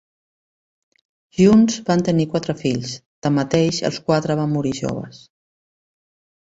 Junts van tenir quatre fills, tanmateix, els quatre van morir joves.